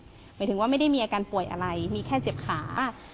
หมายถึงว่าไม่ได้มีอาการป่วยอะไรมีแค่เจ็บขา